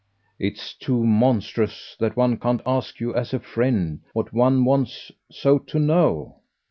"It's too monstrous that one can't ask you as a friend what one wants so to know."